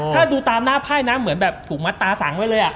ถ้าดูตามหน้าไพ่นะเหมือนแบบถูกมัดตาสังไว้เลย